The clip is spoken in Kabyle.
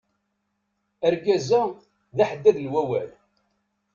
Argaz-a, d aḥeddad n wawal.